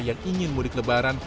yang ingin mudik lebaran